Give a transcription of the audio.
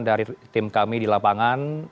dari tim kami di lapangan